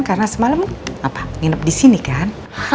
karena semalam nginep di sini kan